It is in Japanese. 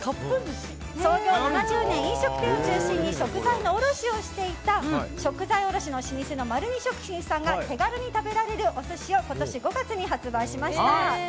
創業７０年、飲食店を中心に食材の卸をしていた食材卸の老舗の丸二食品さんが手軽に食べられるお寿司を今年５月に発売しました。